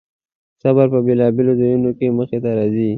صبر په بېلابېلو ځایونو کې مخې ته راځي.